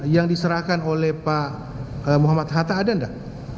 yang diserahkan oleh pak muhammad hatta ada nggak